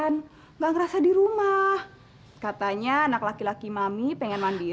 nggak ngerasa di rumah katanya anak laki laki mami pengen mandiri